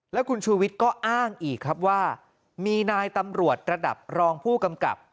แล้วคุณชูวิทย์ก็อ้างอีกครับว่ามีนายตำรวจระดับรองผู้กำกับ